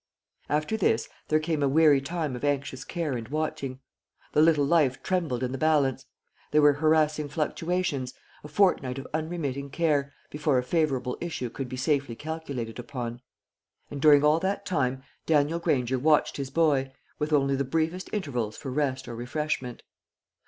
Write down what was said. After this, there came a weary time of anxious care and watching. The little life trembled in the balance; there were harassing fluctuations, a fortnight of unremitting care, before a favourable issue could be safely calculated upon. And during all that time Daniel Granger watched his boy with only the briefest intervals for rest or refreshment.